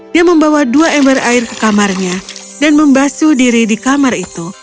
dia membawa dua ember air ke kamarnya dan membasu diri di kamar itu